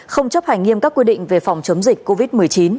không chấp hành nghiêm các quy định về phòng chống dịch covid một mươi chín